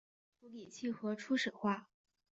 处理器核初始化